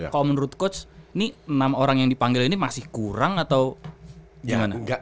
kalau menurut coach ini enam orang yang dipanggil ini masih kurang atau gimana